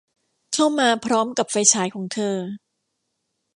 เข้ามาพร้อมกับไฟฉายของเธอ